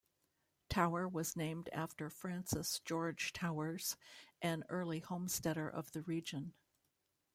Tower was named after Francis George Towers an early homesteader of the region.